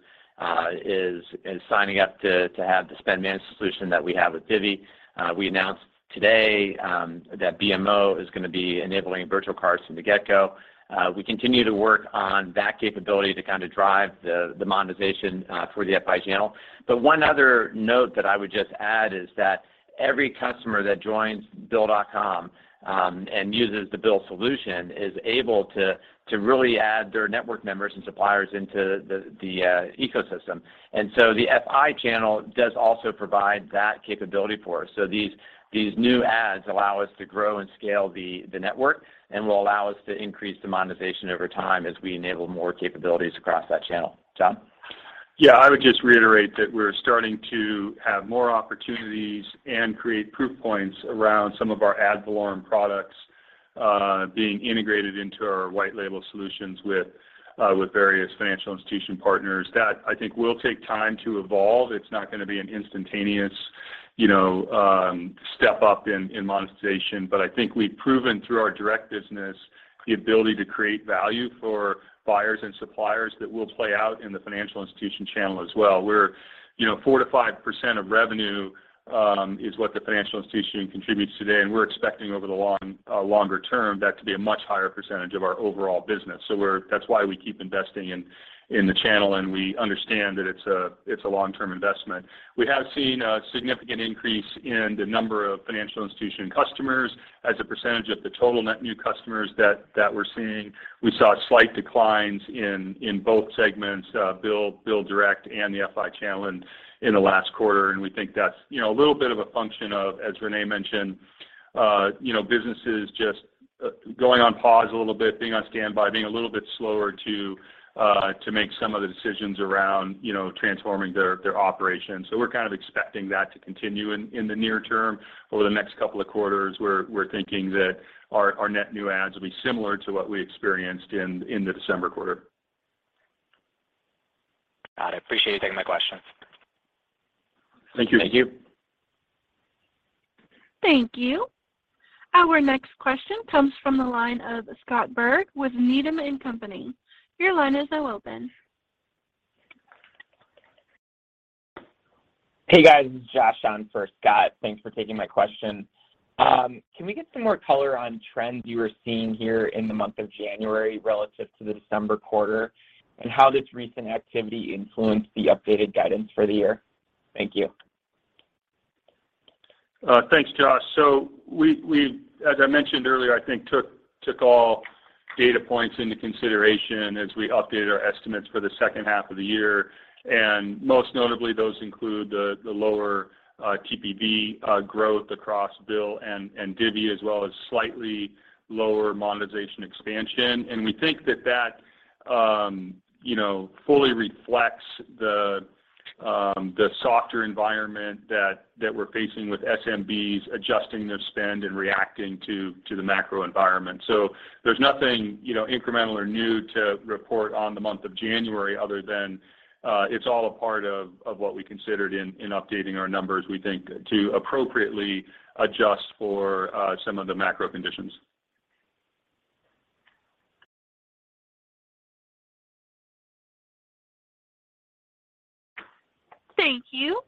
is signing up to have the spend management solution that we have with Divvy. We announced today that BMO is gonna be enabling virtual cards from the get-go. We continue to work on that capability to kind of drive the monetization for the FI channel. One other note that I would just add is that every customer that joins bill.com and uses the BILL solution is able to really add their network members and suppliers into the ecosystem. The FI channel does also provide that capability for us. These new ads allow us to grow and scale the network and will allow us to increase the monetization over time as we enable more capabilities across that channel. John? Yeah. I would just reiterate that we're starting to have more opportunities and create proof points around some of our ad valorem products, being integrated into our white label solutions with various financial institution partners. That I think will take time to evolve. It's not gonna be an instantaneous, you know, step up in monetization. I think we've proven through our direct business the ability to create value for buyers and suppliers that will play out in the financial institution channel as well. We're, you know, 4%-5% of revenue is what the financial institution contributes today, and we're expecting over the longer term that to be a much higher percentage of our overall business. That's why we keep investing in the channel, and we understand that it's a long-term investment. We have seen a significant increase in the number of financial institution customers as a percentage of the total net new customers that we're seeing. We saw slight declines in both segments, BILL direct and the FI channel in the last quarter, and we think that's, you know, a little bit of a function of, as René mentioned, you know, businesses just going on pause a little bit, being on standby, being a little bit slower to make some of the decisions around, you know, transforming their operations. We're kind of expecting that to continue in the near term. Over the next couple of quarters, we're thinking that our net new ads will be similar to what we experienced in the December quarter. Got it. Appreciate you taking my questions. Thank you. Thank you. Thank you. Our next question comes from the line of Scott Berg with Needham & Company. Your line is now open. Hey, guys. This is Josh on for Scott. Thanks for taking my question. Can we get some more color on trends you were seeing here in the month of January relative to the December quarter, and how this recent activity influenced the updated guidance for the year? Thank you. Thanks, Josh. We, as I mentioned earlier, I think took all data points into consideration as we updated our estimates for thE H2 of the year. Most notably, those include the lower TPV growth across BILL and Divvy as well as slightly lower monetization expansion. We think that that, you know, fully reflects the softer environment that we're facing with SMBs adjusting their spend and reacting to the macro environment. There's nothing, you know, incremental or new to report on the month of January other than, it's all a part of what we considered in updating our numbers, we think, to appropriately adjust for some of the macro conditions. Thank you.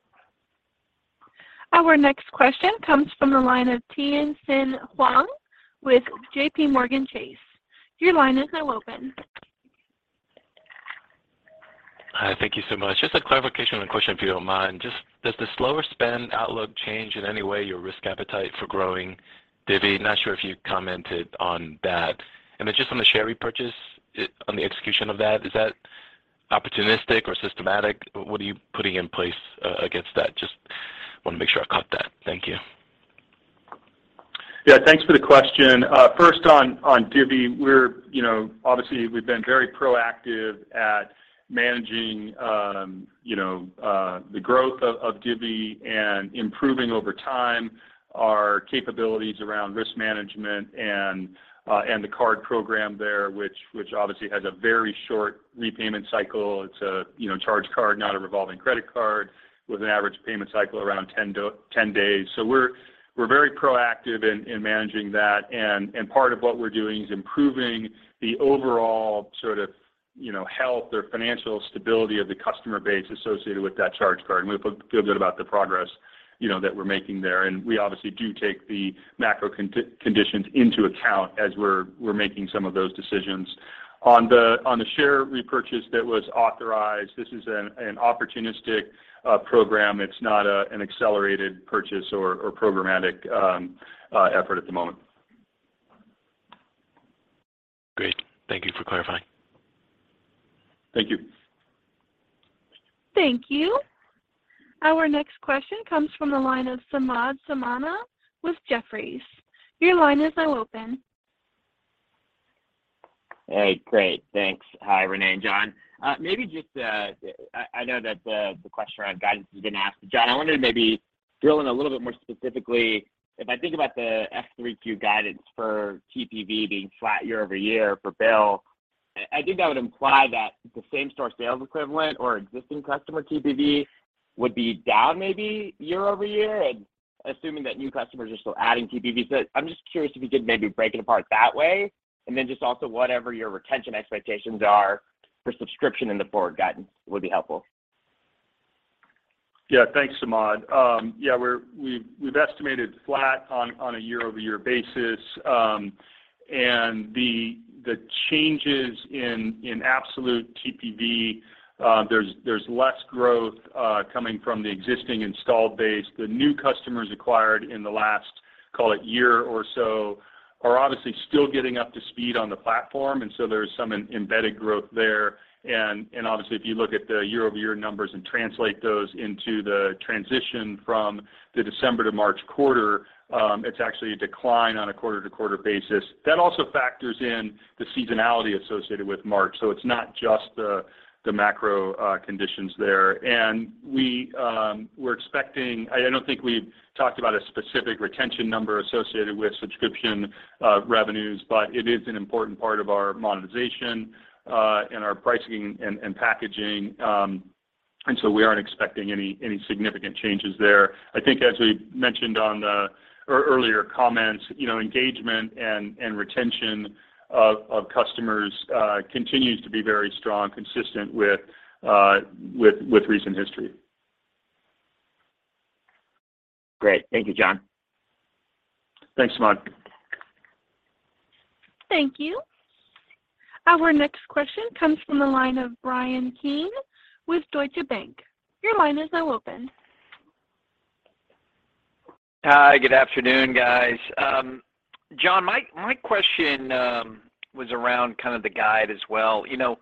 Our next question comes from the line of Tien-Tsin Huang with JPMorgan Chase. Your line is now open. Hi. Thank you so much. Just a clarification on the question, if you don't mind. Just does the slower spend outlook change in any way your risk appetite for growing Divvy? Not sure if you commented on that. Just on the share repurchase, on the execution of that, is that opportunistic or systematic? What are you putting in place against that? Just wanna make sure I caught that. Thank you. Yeah. Thanks for the question. First on Divvy, we're, you know, obviously we've been very proactive at managing, you know, the growth of Divvy and improving over time our capabilities around risk management and the card program there, which obviously has a very short repayment cycle. It's a, you know, charge card, not a revolving credit card with an average payment cycle around 10 days. We're very proactive in managing that, and part of what we're doing is improving the overall sort of, you know, health or financial stability of the customer base associated with that charge card. We feel good about the progress, you know, that we're making there, and we obviously do take the macro conditions into account as we're making some of those decisions. On the share repurchase that was authorized, this is an opportunistic program. It's not an accelerated purchase or programmatic effort at the moment. Great. Thank you for clarifying. Thank you. Thank you. Our next question comes from the line of Samad Samana with Jefferies. Your line is now open. Hey, great. Thanks. Hi, René and John. Maybe just, I know that the question around guidance has been asked. John, I wanted to maybe drill in a little bit more specifically, if I think about the FQ3 guidance for TPV being flat year-over-year for BILL, I think that would imply that the same-store sales equivalent or existing customer TPV would be down maybe year-over-year, and assuming that new customers are still adding TPV. I'm just curious if you could maybe break it apart that way, and then just also whatever your retention expectations are for subscription in the forward guidance would be helpful. Yeah. Thanks, Samad. Yeah, we've estimated flat on a year-over-year basis, and the changes in absolute TPV, there's less growth coming from the existing installed base. The new customers acquired in the last, call it year or so, are obviously still getting up to speed on the platform, and so there's some embedded growth there. Obviously, if you look at the year-over-year numbers and translate those into the transition from the December to March quarter, it's actually a decline on a quarter-to-quarter basis. That also factors in the seasonality associated with March, so it's not just the macro conditions there. We don't think we've talked about a specific retention number associated with subscription revenues, but it is an important part of our monetization and our pricing and packaging. We aren't expecting any significant changes there. I think as we mentioned on the earlier comments, you know, engagement and retention of customers continues to be very strong, consistent with recent history. Great. Thank you, John. Thanks, Samad. Thank you. Our next question comes from the line of Bryan Keane with Deutsche Bank. Your line is now open. Hi, good afternoon, guys. John, my question was around kind of the guide as well. You know,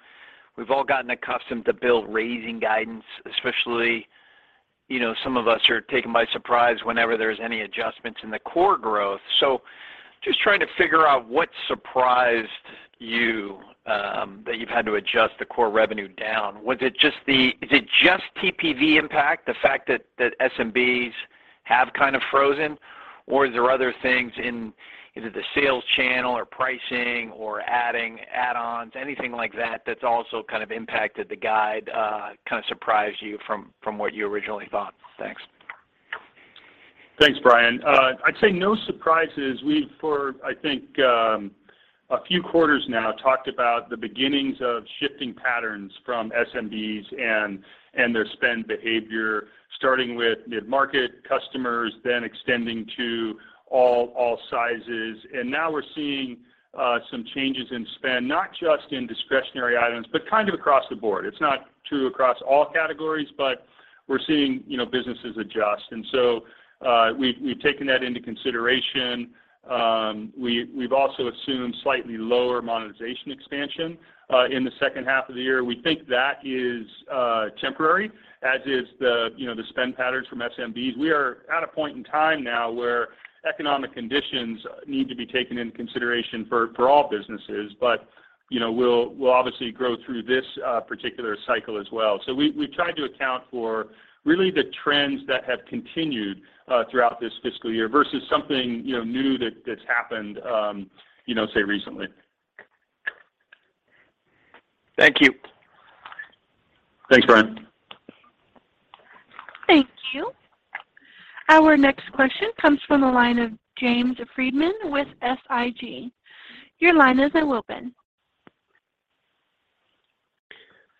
we've all gotten accustomed to BILL raising guidance, especially, you know, some of us are taken by surprise whenever there's any adjustments in the core growth. Just trying to figure out what surprised you that you've had to adjust the core revenue down. Was it just TPV impact, the fact that SMBs have kind of frozen, or is there other things in either the sales channel or pricing or adding add-ons, anything like that that's also kind of impacted the guide, kind of surprised you from what you originally thought? Thanks. Thanks, Bryan Keane. I'd say no surprises. We've, for, I think, a few quarters now, talked about the beginnings of shifting patterns from SMBs and their spend behavior, starting with mid-market customers, then extending to all sizes. Now we're seeing some changes in spend, not just in discretionary items, but kind of across the board. It's not true across all categories, but we're seeing, you know, businesses adjust. We've taken that into consideration. We've also assumed slightly lower monetization expansion in the second half of the year. We think that is temporary, as is the, you know, the spend patterns from SMBs. We are at a point in time now where economic conditions need to be taken into consideration for all businesses. You know, we'll obviously grow through this particular cycle as well. We've tried to account for really the trends that have continued throughout this fiscal year versus something, you know, new that's happened, you know, say recently. Thank you. Thanks, Bryan. Thank you. Our next question comes from the line of James Friedman with SIG. Your line is now open.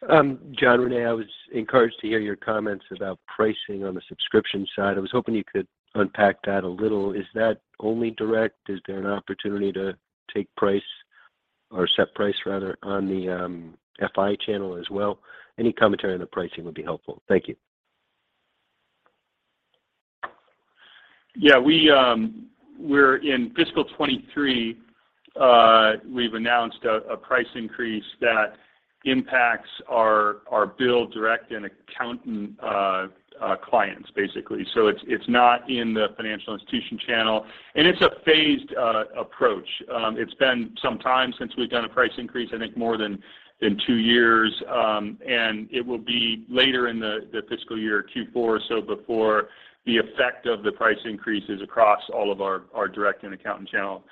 John, René, I was encouraged to hear your comments about pricing on the subscription side. I was hoping you could unpack that a little. Is that only direct? Is there an opportunity to take price or set price rather on the FI channel as well? Any commentary on the pricing would be helpful. Thank you. Yeah. We, we're in FY23, we've announced a price increase that impacts our BILL direct and accountant clients, basically. It's not in the financial institution channel. It's a phased approach. It's been some time since we've done a price increase, I think more than two years. It will be later in the fiscal year, Q4 or so, before the effect of the price increases across all of our direct and accountant channel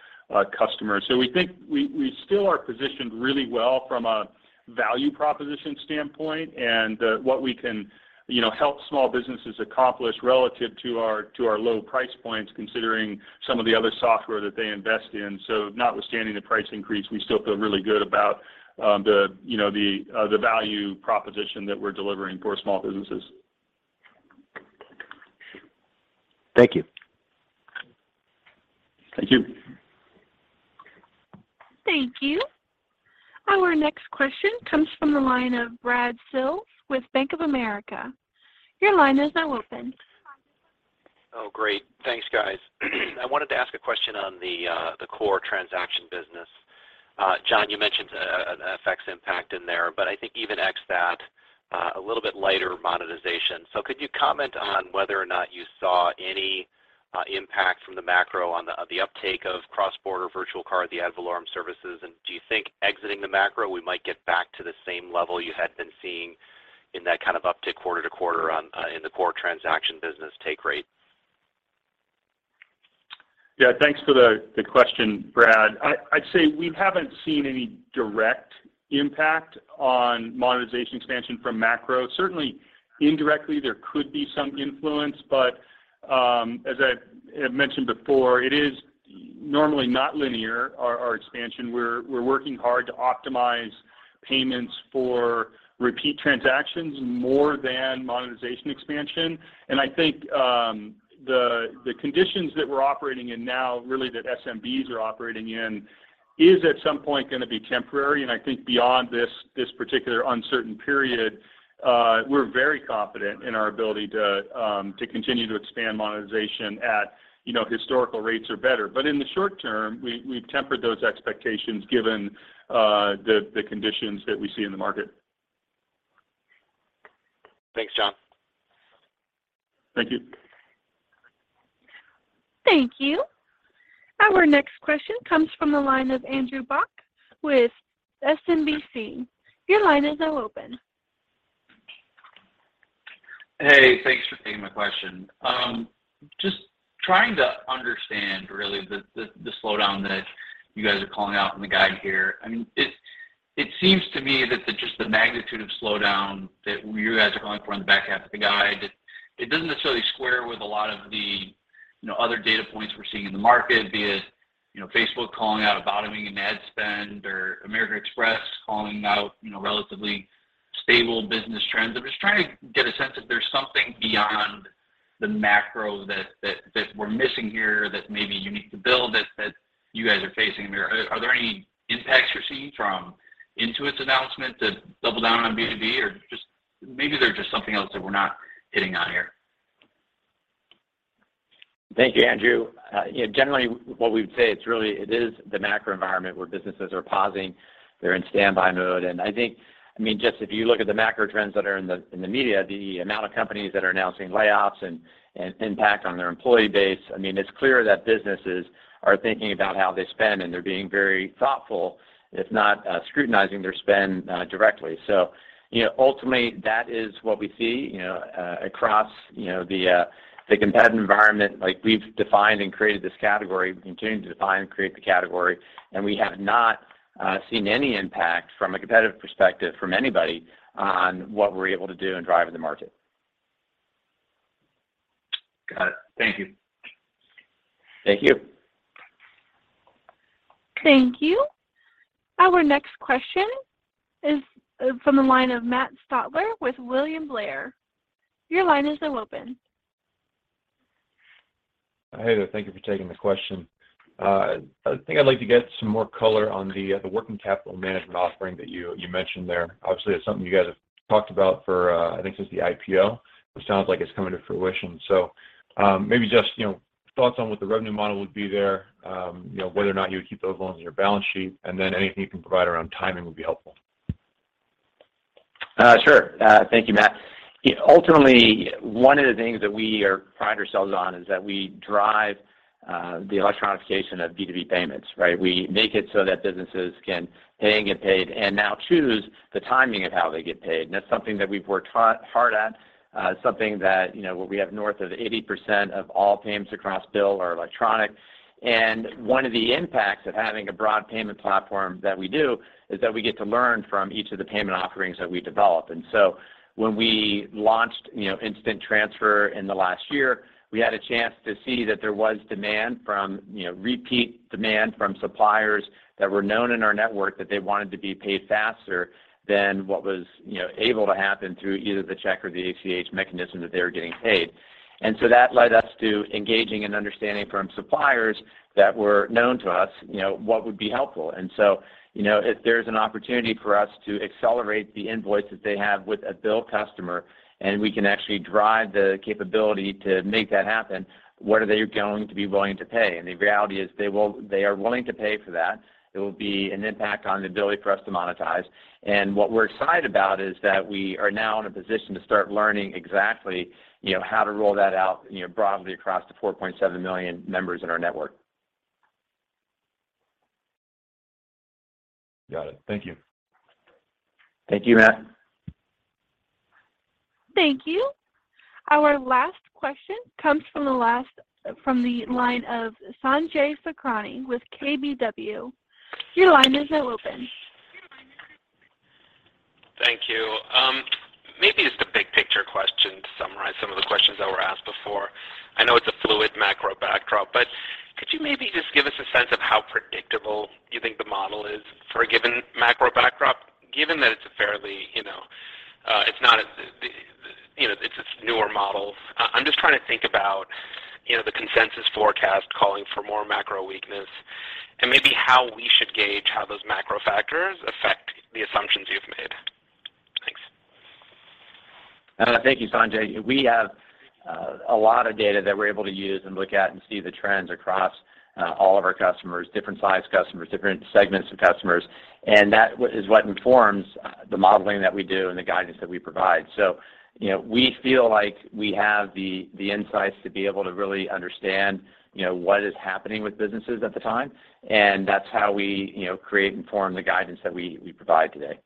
customers. We think we still are positioned really well from a value proposition standpoint and what we can, you know, help small businesses accomplish relative to our low price points, considering some of the other software that they invest in. Notwithstanding the price increase, we still feel really good about, you know, the value proposition that we're delivering for small businesses. Thank you. Thank you. Thank you. Our next question comes from the line of Brad Sills with Bank of America. Your line is now open. Oh, great. Thanks, guys. I wanted to ask a question on the core transaction business. John, you mentioned an FX impact in there, but I think even ex that. A little bit lighter monetization. Could you comment on whether or not you saw any impact from the macro on the uptake of cross-border virtual card, the ad valorem services? Do you think exiting the macro, we might get back to the same level you had been seeing in that kind of uptick quarter-to-quarter in the core transaction business take rate? Yeah. Thanks for the question, Brad. I'd say we haven't seen any direct impact on monetization expansion from macro. Certainly indirectly there could be some influence, but as I have mentioned before, it is normally not linear our expansion. We're working hard to optimize payments for repeat transactions more than monetization expansion. I think the conditions that we're operating in now, really that SMBs are operating in is at some point gonna be temporary. I think beyond this particular uncertain period, we're very confident in our ability to continue to expand monetization at, you know, historical rates or better. In the short term, we've tempered those expectations given the conditions that we see in the market. Thanks, John. Thank you. Thank you. Our next question comes from the line of Andrew Bauch with SMBC Nikko. Your line is now open. Hey, thanks for taking my question. Just trying to understand really the, the slowdown that you guys are calling out in the guide here. I mean, it seems to me that the just the magnitude of slowdown that you guys are calling for in the back half of the guide, it doesn't necessarily square with a lot of the, you know, other data points we're seeing in the market, be it, you know, Facebook calling out a bottoming in ad spend or American Express calling out, you know, relatively stable business trends. I'm just trying to get a sense if there's something beyond the macro that, that we're missing here that maybe unique to BILL that you guys are facing? Are there any impacts you're seeing from Intuit's announcement to double down on B2B or just maybe there's just something else that we're not hitting on here? Thank you, Andrew. You know, generally what we'd say, it's really it is the macro environment where businesses are pausing. They're in standby mode. I think, I mean, just if you look at the macro trends that are in the, in the media, the amount of companies that are announcing layoffs and impact on their employee base, I mean, it's clear that businesses are thinking about how they spend, and they're being very thoughtful, if not, scrutinizing their spend, directly. You know, ultimately that is what we see, you know, across, you know, the competitive environment like we've defined and created this category. We continue to define and create the category, we have not, seen any impact from a competitive perspective from anybody on what we're able to do in driving the market. Got it. Thank you. Thank you. Thank you. Our next question is from the line of Matthew Stotler with William Blair. Your line is now open. Hey there. Thank you for taking the question. I think I'd like to get some more color on the working capital management offering that you mentioned there. Obviously, it's something you guys have talked about for, I think since the IPO. It sounds like it's coming to fruition. Maybe just, you know, thoughts on what the revenue model would be there, you know, whether or not you would keep those loans on your balance sheet, and then anything you can provide around timing would be helpful? Sure. Thank you, Matt. Ultimately, one of the things that we are pride ourselves on is that we drive the electronication of B2B payments, right? We make it so that businesses can pay and get paid and now choose the timing of how they get paid. That's something that we've worked hard at, something that, you know, where we have north of 80% of all payments across BILL are electronic. One of the impacts of having a broad payment platform that we do is that we get to learn from each of the payment offerings that we develop. When we launched, you know, Instant Transfer in the last year, we had a chance to see that there was demand from, you know, repeat demand from suppliers that were known in our network that they wanted to be paid faster than what was, you know, able to happen through either the check or the ACH mechanism that they were getting paid. That led us to engaging and understanding from suppliers that were known to us, you know, what would be helpful. If there's an opportunity for us to accelerate the invoice that they have with a BILL customer, and we can actually drive the capability to make that happen, what are they going to be willing to pay? The reality is they are willing to pay for that. It will be an impact on the ability for us to monetize. What we're excited about is that we are now in a position to start learning exactly, you know, how to roll that out, you know, broadly across the 4.7 million members in our network. Got it. Thank you. Thank you, Matt. Thank you. Our last question comes from the line of Sanjay Sakhrani with KBW. Your line is now open. Thank you. maybe just a big picture question to summarize some of the questions that were asked before. I know it's a fluid macro backdrop, but could you maybe just give us a sense of how predictable you think the model is for a given macro backdrop, given that it's a fairly, you know, it's this newer model. I'm just trying to think about, you know, the consensus forecast calling for more macro weakness and maybe how we should gauge how those macro factors affect the assumptions you've made. Thanks. Thank you, Sanjay. We have a lot of data that we're able to use and look at and see the trends across all of our customers, different size customers, different segments of customers, and that is what informs the modeling that we do and the guidance that we provide. You know, we feel like we have the insights to be able to really understand, you know, what is happening with businesses at the time, and that's how we, you know, create and form the guidance that we provide today.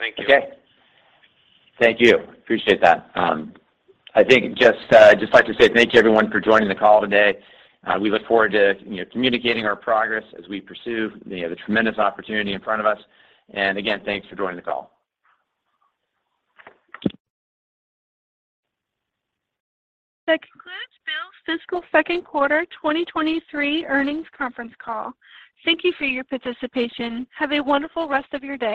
Okay. Thank you. Okay. Thank you. Appreciate that. I think just, I'd just like to say thank you everyone for joining the call today. We look forward to, you know, communicating our progress as we pursue, you know, the tremendous opportunity in front of us. Thanks for joining the call. That concludes BILL's fiscal Q2 2023 earnings conference call. Thank you for your participation. Have a wonderful rest of your day.